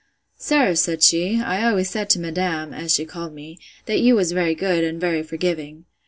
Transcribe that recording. Sir, said she, I always said to madam (as she called me), that you was very good, and very forgiving.